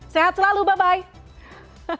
sehat selalu bye bye